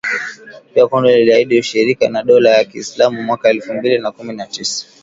Pia kundi liliahidi ushirika na Dola ya kiislamu mwaka elfu mbili na kumi na tisa.